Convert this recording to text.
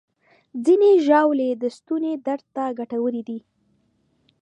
ځینې ژاولې د ستوني درد ته ګټورې دي.